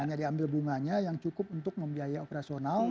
hanya diambil bunganya yang cukup untuk membiayai operasional